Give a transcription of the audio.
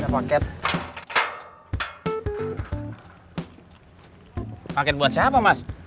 paket buat siapa mas